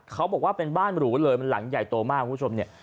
เขาบอกว่าเป็นบ้านหรูเลยมันหลังใหญ่โตมากคุณผู้ชมเนี่ย